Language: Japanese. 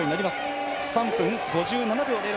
３分５７秒０６。